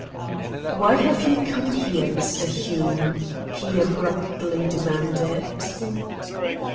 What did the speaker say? "Why have you come here, Mr. Hume?" he abruptly demanded.